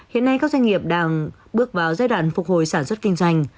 hiện nay các doanh nghiệp đang bước vào giai đoạn phục hồi sản xuất kinh doanh